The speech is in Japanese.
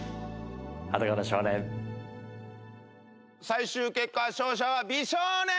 最終結果は勝者は美少年！